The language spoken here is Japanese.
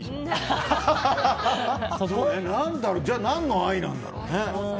じゃあ、何の「あい」なんだろうね。